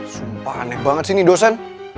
sumpah aneh banget sih ini dosen